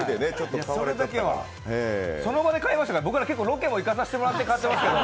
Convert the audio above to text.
その場で買いましたから、僕ら結構ロケも行かさせてもらって買いましたから。